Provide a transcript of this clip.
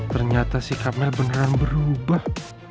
ternyata si kamel beneran berubah